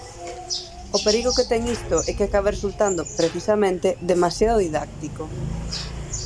O perigo que ten isto é que acabe resultando, precisamente, demasiado didáctico.